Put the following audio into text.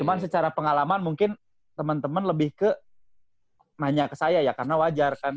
cuma secara pengalaman mungkin teman teman lebih ke nanya ke saya ya karena wajar kan